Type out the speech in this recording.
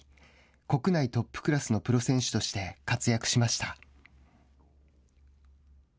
国内トップクラスのプロ選手として活躍しました。